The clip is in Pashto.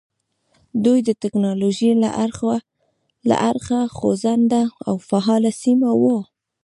دوی د ټکنالوژۍ له اړخه خوځنده او فعاله سیمه وه.